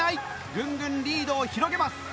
ぐんぐんリードを広げます！